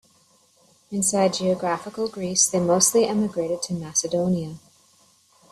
Inside geographical Greece, they mostly emigrated to Macedonia.